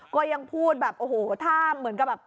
ก็ยังพูดแบบโอ้โหท่าเหมือนกับแบบ